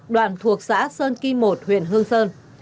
đoạn thuộc xã sơn kim một huyện hương sơn